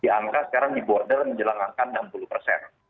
di angka sekarang di border menjelang angka enam puluh persen